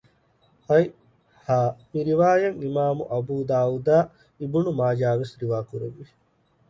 ހަތް ހ މިރިވާޔަތް އިމާމު އަބޫދާއޫދާއި އިބްނު މާޖާވެސް ރިވާކުރެއްވި